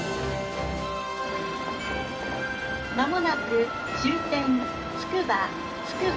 「間もなく終点つくば。